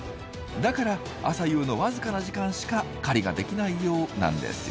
だから朝夕の僅かな時間しか狩りができないようなんですよ。